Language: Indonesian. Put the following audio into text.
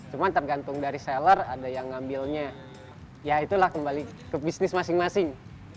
cuma tergantung dari seller ada yang ngambilnya ya itulah kembali ke bisnis masing masing